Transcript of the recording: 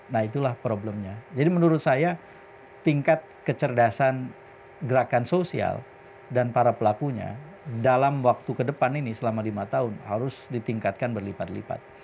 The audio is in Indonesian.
nah itulah problemnya jadi menurut saya tingkat kecerdasan gerakan sosial dan para pelakunya dalam waktu ke depan ini selama lima tahun harus ditingkatkan berlipat lipat